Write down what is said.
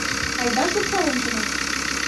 Айда шупшал ончена?